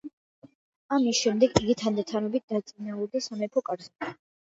ამის შემდეგ იგი თანდათანობით დაწინაურდა სამეფო კარზე.